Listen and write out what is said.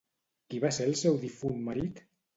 Qui va ser el seu difunt marit?